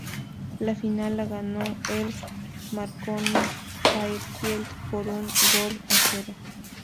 La final la ganó el Marconi Fairfield por un gol a cero.